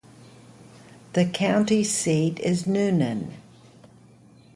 The county seat is Newnan.